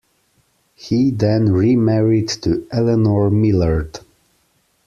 He then remarried to Eleanor Millard.